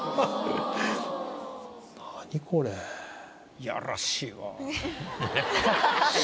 いやらしいわ。